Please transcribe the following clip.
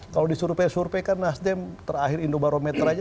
kalau disurupin surupin kan nasdem terakhir indobarometer aja